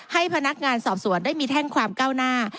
ให้พนักงานสอบสวนได้มีแท่งความก้าวหน้า